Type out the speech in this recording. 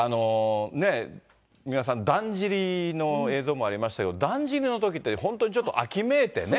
三輪さん、だんじりの映像もありましたけど、だんじりのときって、本当にちょっと秋めいてね。